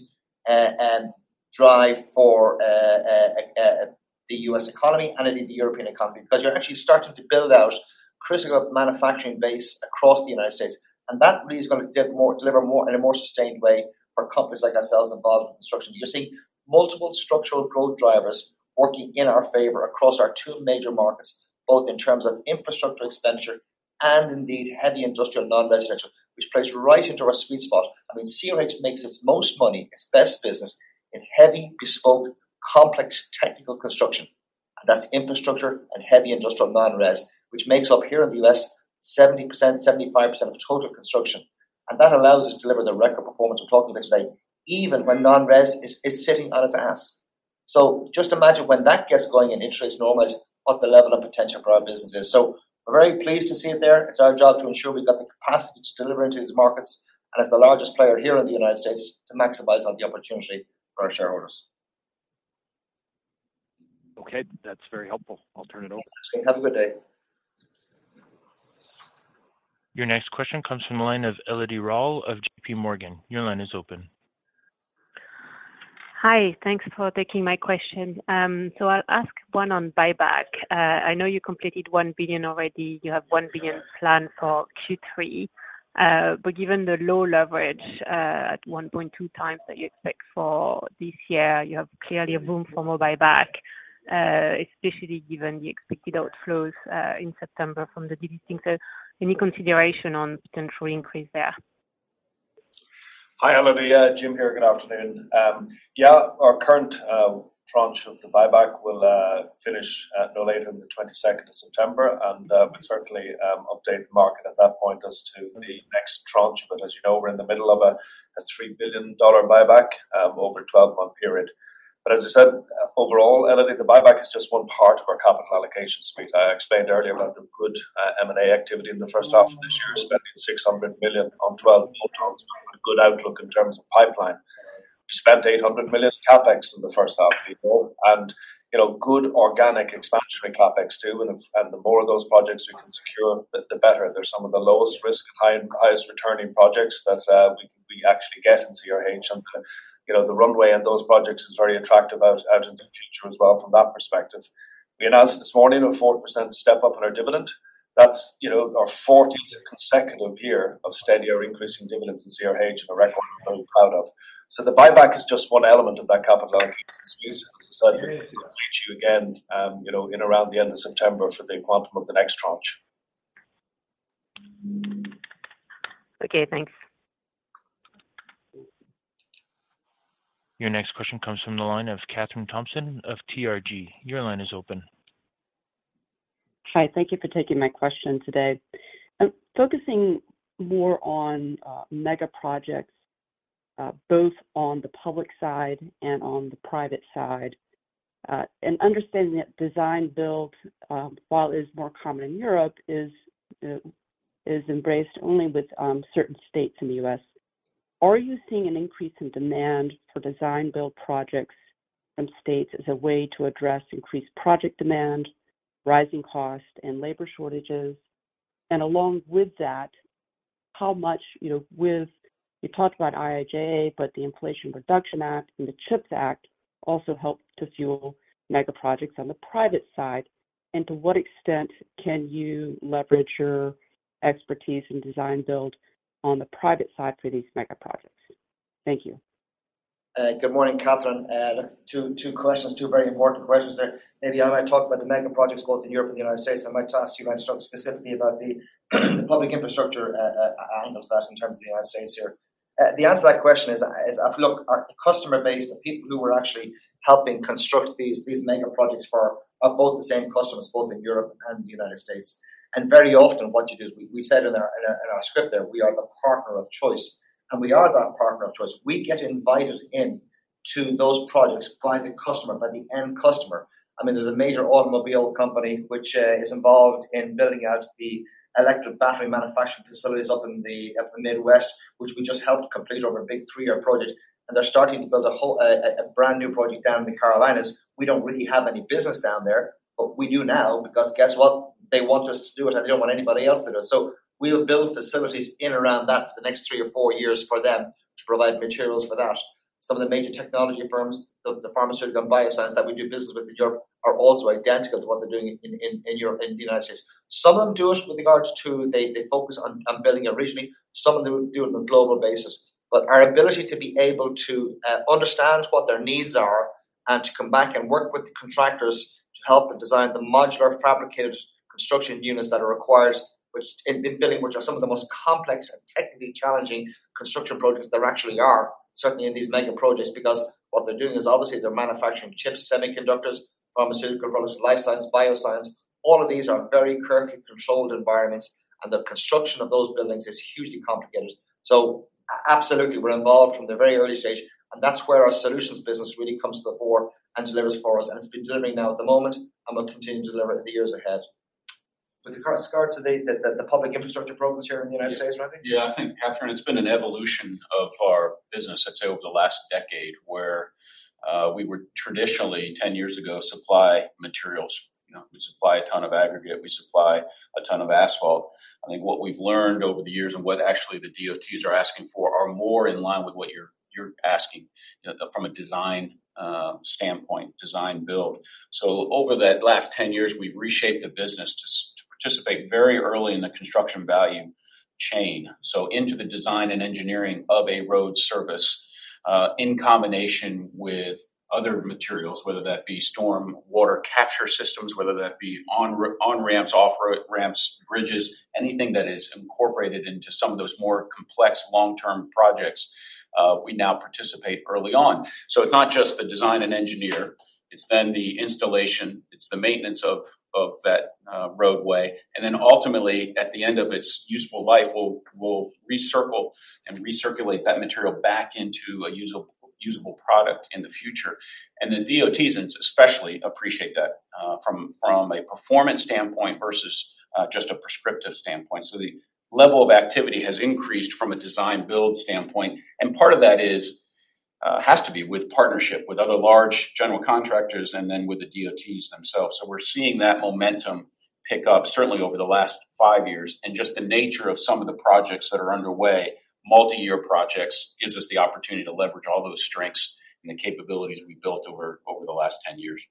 Speaker 2: drive for the U.S. economy and indeed the European economy. Because you're actually starting to build out critical manufacturing base across the United States, and that really is gonna deliver more, in a more sustained way for companies like ourselves involved in construction. You're seeing multiple structural growth drivers working in our favor across our two major markets, both in terms of infrastructure expenditure and indeed, heavy industrial non-residential, which plays right into our sweet spot. I mean, CRH makes its most money, its best business, in heavy, bespoke, complex technical construction, and that's infrastructure and heavy industrial non-res, which makes up here in the U.S., 70%, 75% of total construction. And that allows us to deliver the record performance we're talking about today, even when non-res is sitting on its ass. So just imagine when that gets going in interest normals, what the level of potential for our business is. We're very pleased to see it there. It's our job to ensure we've got the capacity to deliver into these markets, and as the largest player here in the United States, to maximize on the opportunity for our shareholders.
Speaker 7: Okay, that's very helpful. I'll turn it over.
Speaker 2: Have a good day.
Speaker 1: Your next question comes from the line of Elodie Rall of JPMorgan. Your line is open.
Speaker 8: Hi, thanks for taking my question. So I'll ask one on buyback. I know you completed $1 billion already. You have $1 billion planned for Q3, but given the low leverage at 1.2x that you expect for this year, you have clearly a room for more buyback, especially given the expected outflows in September from the dividend. So any consideration on potential increase there?
Speaker 4: Hi, Elodie. Jim here. Good afternoon. Yeah, our current tranche of the buyback will finish at no later than the 22nd of September, and we'll certainly update the market at that point as to the next tranche. But as you know, we're in the middle of a $3 billion buyback over a 12-month period. But as I said, overall, Elodie, the buyback is just one part of our capital allocation suite. I explained earlier about the good M&A activity in the first half of this year, spending $600 million on 12 platforms, a good outlook in terms of pipeline. We spent $800 million CapEx in the first half of the year, and, you know, good organic expansion CapEx, too, and the more of those projects we can secure, the better. They're some of the lowest risk, highest returning projects that we actually get in CRH. You know, the runway on those projects is very attractive out into the future as well from that perspective. We announced this morning a 4% step-up on our dividend. That's, you know, our 40th consecutive year of steadier increasing dividends in CRH, and a record we're very proud of. So the buyback is just one element of that capital allocation suite. So I'll reach you again, you know, in around the end of September for the quantum of the next tranche.
Speaker 8: Okay, thanks.
Speaker 1: Your next question comes from the line of Kathryn Thompson of TRG. Your line is open.
Speaker 9: Hi, thank you for taking my question today. Focusing more on mega projects, both on the public side and on the private side, and understanding that design-build, while is more common in Europe, is embraced only with certain states in the U.S. Are you seeing an increase in demand for design-build projects from states as a way to address increased project demand, rising costs, and labor shortages? And along with that, how much, you know, with, you talked about IIJA, but the Inflation Reduction Act and the CHIPS Act also helped to fuel mega projects on the private side, and to what extent can you leverage your expertise in design-build on the private side for these mega projects? Thank you.
Speaker 2: Good morning, Kathryn. Two questions, two very important questions there. Maybe I might talk about the mega projects both in Europe and the United States. I might ask you to talk specifically about the public infrastructure angle of that in terms of the United States here. The answer to that question is, look, our customer base, the people who are actually helping construct these mega projects, are both the same customers, both in Europe and the United States. Very often what you do is we said in our script there, we are the partner of choice, and we are that partner of choice. We get invited in to those projects by the customer, by the end customer. I mean, there's a major automobile company which is involved in building out the electric battery manufacturing facilities up in the, up the Midwest, which we just helped complete over a big three-year project. And they're starting to build a whole, a brand-new project down in the Carolinas. We don't really have any business down there, but we do now because guess what? They want us to do it, and they don't want anybody else to do it. So we'll build facilities in and around that for the next three or four years for them to provide materials for that. Some of the major technology firms, the pharmaceutical and bioscience that we do business with in Europe, are also identical to what they're doing in Europe, in the United States. Some of them do it with regards to they focus on building it regionally. Some of them do it on a global basis. But our ability to understand what their needs are and to come back and work with the contractors to help them design the modular, fabricated construction units that are required, which in building are some of the most complex and technically challenging construction projects there actually are. Certainly in these mega projects, because what they're doing is obviously they're manufacturing chips, semiconductors, pharmaceutical products, life science, bioscience. All of these are very carefully controlled environments, and the construction of those buildings is hugely complicated. So absolutely, we're involved from the very early stage, and that's where our solutions business really comes to the fore and delivers for us, and it's been delivering now at the moment, and will continue to deliver in the years ahead. With regard to, today that, that the public infrastructure programs here in the United States, Randy?
Speaker 3: Yeah, I think, Kathryn, it's been an evolution of our business, I'd say, over the last decade, where we were traditionally, 10 years ago, supply materials. You know, we supply a ton of aggregate, we supply a ton of asphalt. I think what we've learned over the years and what actually the DOTs are asking for are more in line with what you're asking, you know, from a design standpoint, design-build. So over that last 10 years, we've reshaped the business to participate very early in the construction value chain. So into the design and engineering of a road service in combination with other materials, whether that be storm water capture systems, whether that be on-ramps, off-ramps, bridges, anything that is incorporated into some of those more complex long-term projects, we now participate early on. So it's not just the design and engineer, it's then the installation, it's the maintenance of that roadway. And then ultimately, at the end of its useful life, we'll recycle and recirculate that material back into a usable product in the future. And the DOTs especially appreciate that, from a performance standpoint versus just a prescriptive standpoint. So the level of activity has increased from a design build standpoint, and part of that is has to be with partnership with other large general contractors and then with the DOTs themselves. So we're seeing that momentum pick up, certainly over the last five years, and just the nature of some of the projects that are underway, multi-year projects, gives us the opportunity to leverage all those strengths and the capabilities we've built over the last 10 years.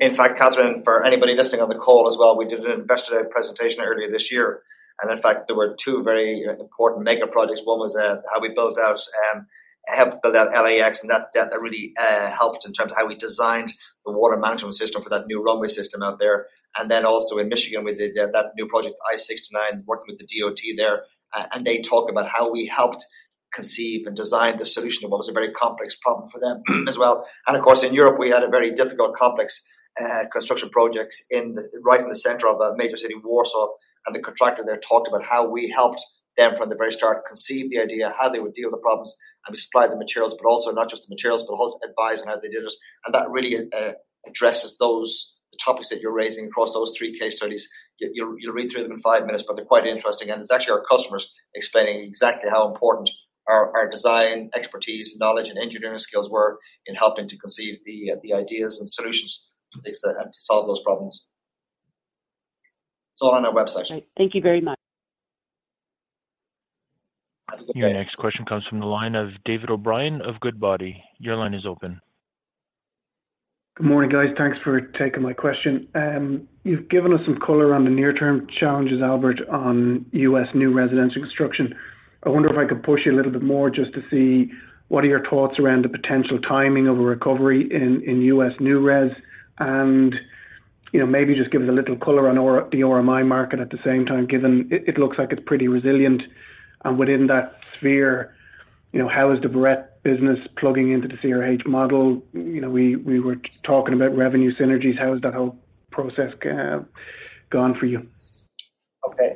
Speaker 2: In fact, Kathryn, for anybody listening on the call as well, we did an investor presentation earlier this year, and in fact, there were two very important mega projects. One was how we built out helped build out LAX, and that really helped in terms of how we designed the water management system for that new runway system out there. And then also in Michigan, we did that new project, I-69, working with the DOT there, and they talk about how we helped conceive and design the solution to what was a very complex problem for them as well. And of course, in Europe, we had a very difficult, complex construction project in the. Right in the center of a major city, Warsaw, and the contractor there talked about how we helped them from the very start, conceive the idea, how they would deal with the problems, and we supplied the materials, but also not just the materials, but also advise on how they did this. And that really addresses those topics that you're raising across those three case studies. You'll read through them in five minutes, but they're quite interesting, and it's actually our customers explaining exactly how important our design, expertise, knowledge, and engineering skills were in helping to conceive the ideas and solutions to things that, and to solve those problems. It's all on our website.
Speaker 9: Right. Thank you very much.
Speaker 1: Your next question comes from the line of David O'Brien of Goodbody. Your line is open.
Speaker 10: Good morning, guys. Thanks for taking my question. You've given us some color on the near-term challenges, Albert, on U.S. new residential construction. I wonder if I could push you a little bit more just to see what are your thoughts around the potential timing of a recovery in, in U.S. new res, and, you know, maybe just give us a little color on the RMI market at the same time, given it looks like it's pretty resilient. And within that sphere, you know, how is the Barrette business plugging into the CRH model? You know, we were talking about revenue synergies. How has that whole process gone for you?
Speaker 2: Okay.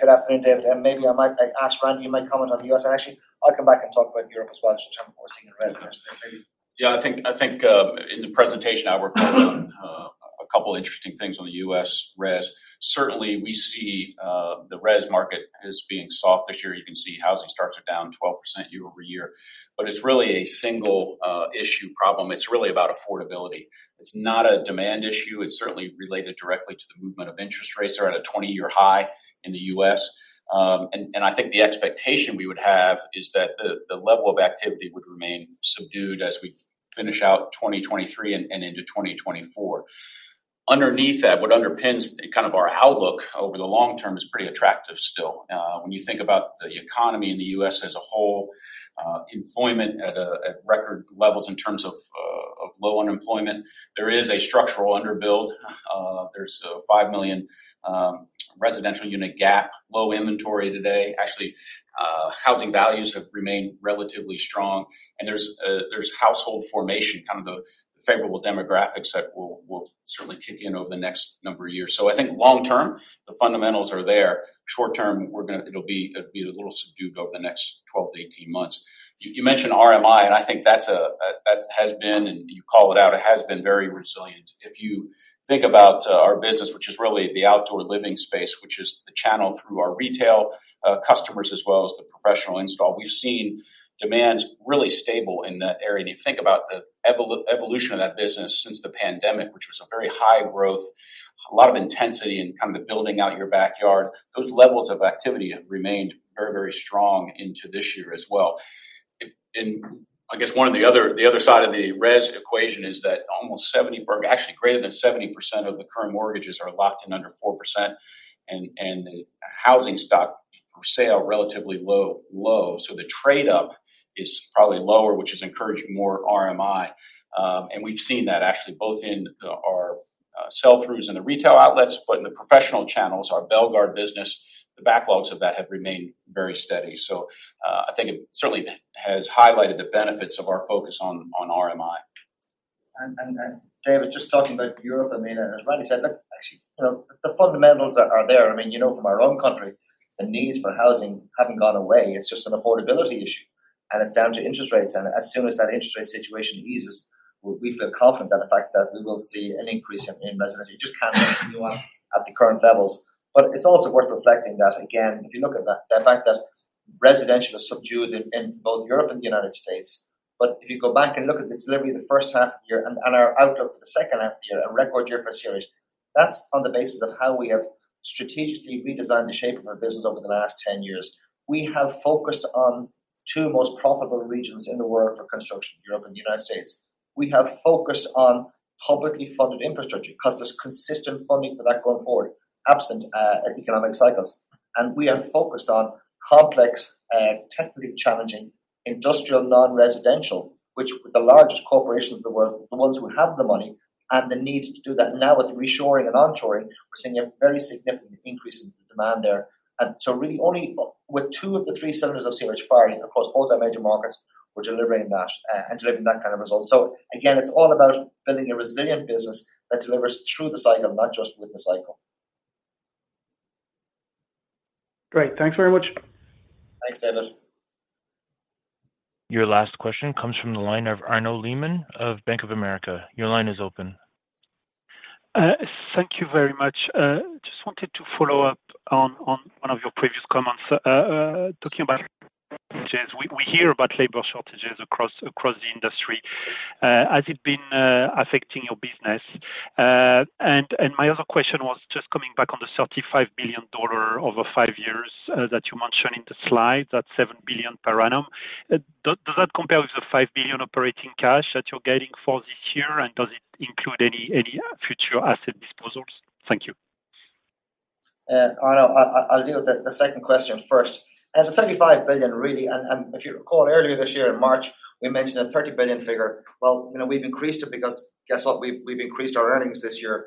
Speaker 2: Good afternoon, David. Maybe I might ask Randy, you might comment on the U.S., and actually, I'll come back and talk about Europe as well, just in terms of more non-residential.
Speaker 3: Yeah, I think, I think, in the presentation, I worked on a couple interesting things on the U.S. res. Certainly, we see the res market as being soft this year. You can see housing starts are down 12% year-over-year. But it's really a single issue problem. It's really about affordability. It's not a demand issue. It's certainly related directly to the movement of interest rates are at a 20-year high in the U.S. And I think the expectation we would have is that the level of activity would remain subdued as we finish out 2023 and into 2024. Underneath that, what underpins kind of our outlook over the long term is pretty attractive still. When you think about the economy in the U.S. as a whole, employment at record levels in terms of low unemployment, there is a structural underbuild. There's a 5 million residential unit gap, low inventory today. Actually, housing values have remained relatively strong, and there's household formation, kind of the favorable demographics that will certainly kick in over the next number of years. So I think long term, the fundamentals are there. Short term, we're gonna. It'll be a little subdued over the next 12-18 months. You mentioned RMI, and I think that's an area that has been, and you call it out, it has been very resilient. If you think about our business, which is really the outdoor living space, which is the channel through our retail customers, as well as the professional install, we've seen demands really stable in that area. And you think about the evolution of that business since the pandemic, which was a very high growth, a lot of intensity and kind of the building out your backyard, those levels of activity have remained very, very strong into this year as well. If and I guess one of the other, the other side of the res equation is that almost 70%, actually, greater than 70% of the current mortgages are locked in under 4%, and the housing stock for sale, relatively low, low. So the trade up is probably lower, which is encouraging more RMI. And we've seen that actually both in our sell-throughs in the retail outlets, but in the professional channels, our Belgard business, the backlogs of that have remained very steady. So, I think it certainly has highlighted the benefits of our focus on RMI.
Speaker 2: And David, just talking about Europe, I mean, as Randy said, look, actually, you know, the fundamentals are there. I mean, you know, from our own country, the needs for housing haven't gone away. It's just an affordability issue, and it's down to interest rates, and as soon as that interest rate situation eases, we feel confident that we will see an increase in residency. It just can't continue on at the current levels. But it's also worth reflecting that, again, if you look at that, the fact that residential is subdued in both Europe and the United States, but if you go back and look at the delivery of the first half of the year and our outlook for the second half of the year, a record year for CRH, that's on the basis of how we have strategically redesigned the shape of our business over the last 10 years. We have focused on two most profitable regions in the world for construction, Europe and the United States. We have focused on publicly funded infrastructure 'cause there's consistent funding for that going forward, absent economic cycles. And we have focused on complex, technically challenging industrial non-residential, which the largest corporations of the world, the ones who have the money and the need to do that. Now, with the reshoring and onshoring, we're seeing a very significant increase in the demand there. And so really only with two of the three cylinders of CRH firing across both our major markets, we're delivering that, and delivering that kind of result. So again, it's all about building a resilient business that delivers through the cycle, not just with the cycle.
Speaker 10: Great. Thanks very much.
Speaker 2: Thanks, David.
Speaker 1: Your last question comes from the line of Arnaud Lehmann of Bank of America. Your line is open.
Speaker 11: Thank you very much. Just wanted to follow up on one of your previous comments talking about shortages. We hear about labor shortages across the industry. Has it been affecting your business? And my other question was just coming back on the $35 billion over five years that you mentioned in the slide, that's $7 billion per annum. Does that compare with the $5 billion operating cash that you're guiding for this year? And does it include any future asset disposals? Thank you.
Speaker 2: Arnaud, I'll deal with the second question first. And the $35 billion, really, and if you recall earlier this year in March, we mentioned a $30 billion figure. Well, you know, we've increased it because guess what? We've increased our earnings this year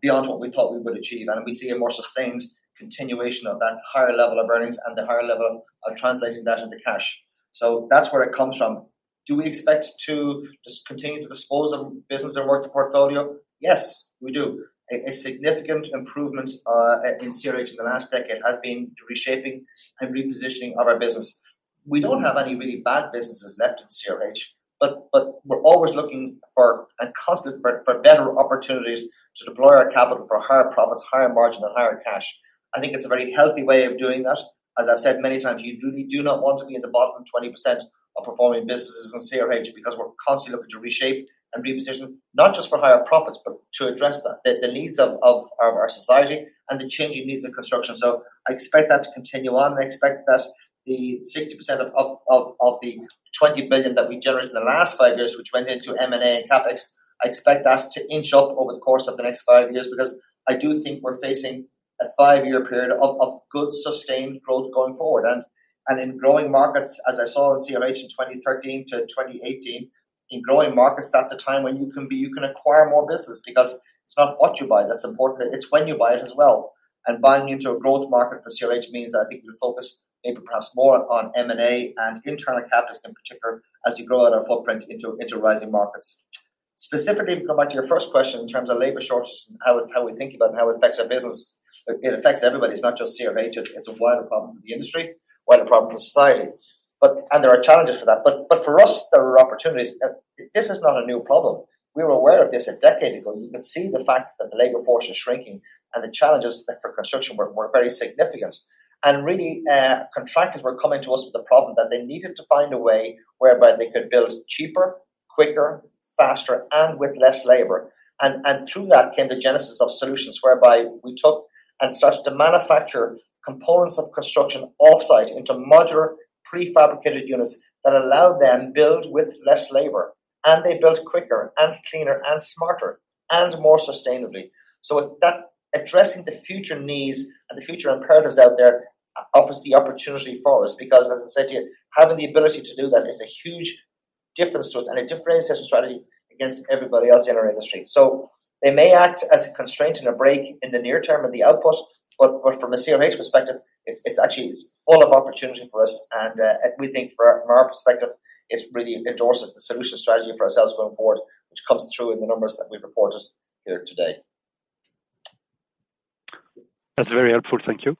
Speaker 2: beyond what we thought we would achieve, and we see a more sustained continuation of that higher level of earnings and the higher level of translating that into cash. So that's where it comes from. Do we expect to just continue to dispose of business and work the portfolio? Yes, we do. A significant improvement in CRH in the last decade has been the reshaping and repositioning of our business. We don't have any really bad businesses left in CRH, but, but we're always looking for and constantly for, for better opportunities to deploy our capital for higher profits, higher margin, and higher cash. I think it's a very healthy way of doing that. As I've said many times, you do- do not want to be in the bottom 20% of performing businesses in CRH because we're constantly looking to reshape and reposition, not just for higher profits, but to address the, the, the needs of, of our, our society and the changing needs of construction. So I expect that to continue on. I expect that the 60% of the $20 billion that we generated in the last five years, which went into M&A and CapEx, I expect that to inch up over the course of the next five years because I do think we're facing a five-year period of good, sustained growth going forward. And in growing markets, as I saw in CRH in 2013-2018, in growing markets, that's a time when you can acquire more business because it's not what you buy that's important, it's when you buy it as well. And buying into a growth market for CRH means that I think we'll focus maybe perhaps more on M&A and internal CapEx in particular, as we grow out our footprint into rising markets. Specifically, to come back to your first question, in terms of labor shortages and how we think about and how it affects our business, it affects everybody. It's not just CRH. It's quite a problem for the industry, quite a problem for society. But there are challenges for that, but for us, there are opportunities. This is not a new problem. We were aware of this a decade ago. You could see the fact that the labor force was shrinking and the challenges that for construction were very significant. And really, contractors were coming to us with a problem, that they needed to find a way whereby they could build cheaper, quicker, faster, and with less labor. And through that came the genesis of solutions whereby we took and started to manufacture components of construction off-site into modular, prefabricated units that allowed them build with less labor, and they built quicker and cleaner and smarter and more sustainably. So it's that addressing the future needs and the future imperatives out there offers the opportunity for us. Because, as I said to you, having the ability to do that is a huge difference to us and a differentiated strategy against everybody else in our industry. So they may act as a constraint and a break in the near term and the output, but from a CRH perspective, it's actually full of opportunity for us. And we think from our perspective, it really endorses the solution strategy for ourselves going forward, which comes through in the numbers that we've reported here today.
Speaker 11: That's very helpful. Thank you.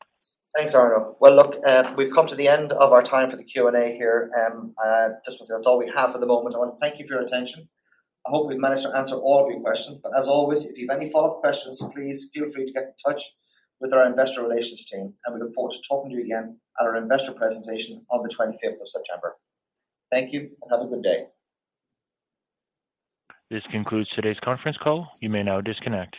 Speaker 2: Thanks, Arnaud. Well, look, we've come to the end of our time for the Q&A here. Just want to say that's all we have for the moment. I want to thank you for your attention. I hope we've managed to answer all of your questions, but as always, if you have any follow-up questions, please feel free to get in touch with our investor relations team, and we look forward to talking to you again at our investor presentation on the 25th of September. Thank you, and have a good day.
Speaker 1: This concludes today's conference call. You may now disconnect.